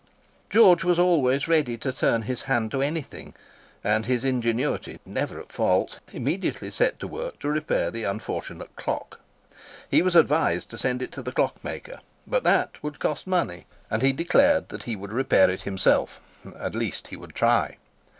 George was always ready to turn his hand to anything, and his ingenuity, never at fault, immediately set to work to repair the unfortunate clock. He was advised to send it to the clockmaker, but that would cost money; and he declared that he would repair it himself—at least he would try.